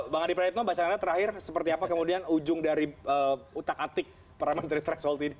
bang adi pranitno bacaannya terakhir seperti apa kemudian ujung dari utak atik pramateri tres holt ini